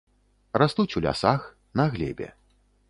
Растуць у лясах на глебе.